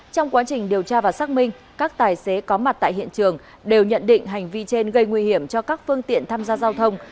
trong quá trình điều tra và xác minh các tài xế có mặt tại hiện trường đều nhận định hành vi trên gây nguy hiểm cho các phương tiện tham gia giao thông